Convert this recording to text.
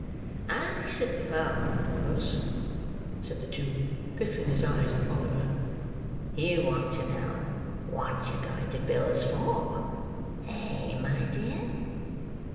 "I suppose," said the Jew, fixing his eyes on Oliver, "you want to know what you're going to Bill's for— eh, my dear?"